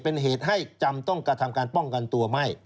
เป็นเหตุให้จำต้องกระทำการมัดตัวไหม